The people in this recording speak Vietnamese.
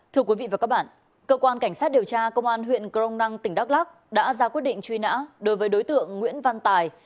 thưa quý vị và các bạn cơ quan cảnh sát điều tra công an huyện crong năng tỉnh đắk lắc đã ra quyết định truy nã đối với đối tượng nguyễn văn tài